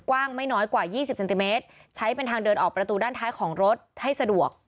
กว้างไม่น้อยกว่า๒๐เซนติเมตรใช้เป็นทางเดินออกประตูด้านท้ายของรถให้สะดวก